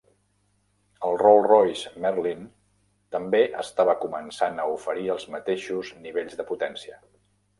El Rolls-Royce Merlin també estava començant a oferir els mateixos nivells de potència.